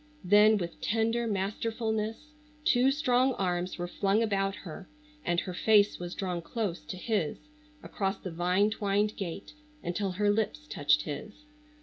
Then with tender masterfulness two strong arms were flung about her and her face was drawn close to his across the vine twined gate until her lips touched his.